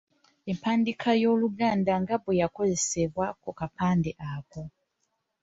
Empandiika y’Oluganda nga bwe yakozesebwa ku kapande ako.